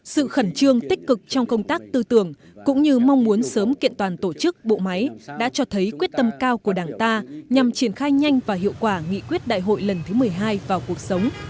sự khẩn trương tích cực trong công tác tư tưởng cũng như mong muốn sớm kiện toàn tổ chức bộ máy đã cho thấy quyết tâm cao của đảng ta nhằm triển khai nhanh và hiệu quả nghị quyết đại hội lần thứ một mươi hai vào cuộc sống